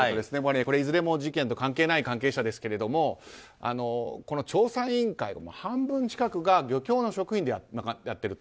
いずれも事件と関係ない関係者ですけど調査委員会の半分近くが漁協の職員でやっていると。